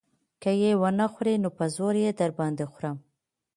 که يې ونه خورې نو په زور يې در باندې خورم.